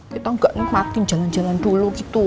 kita gak nipatin jalan jalan dulu gitu